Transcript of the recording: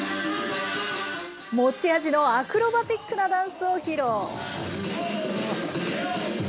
持ち味のアクロバティックなダンスを披露。